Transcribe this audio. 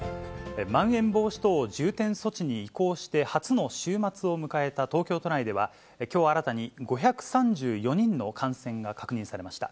まん延防止等重点措置に移行して初の週末を迎えた東京都内では、きょう、新たに５３４人の感染が確認されました。